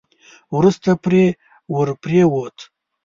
وروسته پرې ور پرېووت.